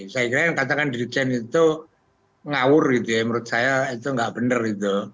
saya kira yang katakan dirjen itu ngawur gitu ya menurut saya itu nggak benar gitu